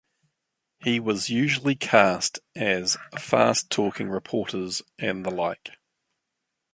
He was usually cast as fast-talking reporters and the like.